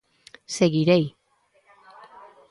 Seguirei.